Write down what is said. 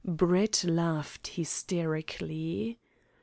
Brett laughed hysterically.